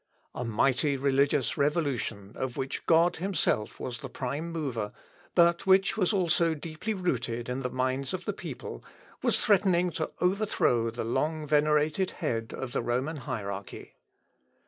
A mighty religious revolution, of which God himself was the prime mover, but which was also deeply rooted in the minds of the people, was threatening to overthrow the long venerated head of the Roman hierarchy.